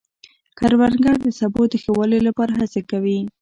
کروندګر د سبو د ښه والي لپاره هڅې کوي